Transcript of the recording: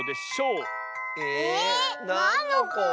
えなんのこ？